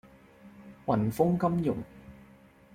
雲鋒金融